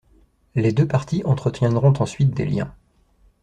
Les deux partis entretiendront ensuite des liens.